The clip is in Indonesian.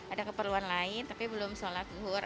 ada keperluan lain tapi belum sholat luhur